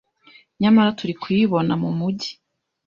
Nyamara turi kuyibona mu mujyi